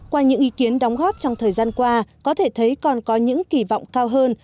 qua những ý kiến đóng góp trong thời gian qua có thể thấy còn có những kỳ vọng cao hơn